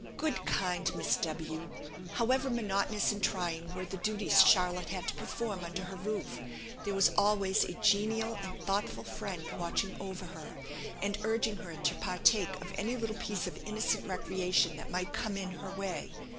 Good, kind Miss W ! however monotonous and trying were the duties Charlotte had to perform under her roof, there was always a genial and thoughtful friend watching over her, and urging her to partake of any little piece of innocent recreation that might come in her way.